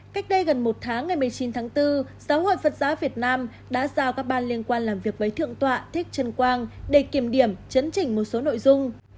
cách đây gần một tháng ngày một mươi chín tháng bốn giáo hội phật giáo việt nam đã giao các ban liên quan làm việc với thượng tọa thích trân quang để kiểm điểm chấn chỉnh một số nội dung